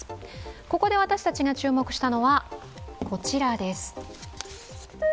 ここで私たちが注目したのは、こちらです。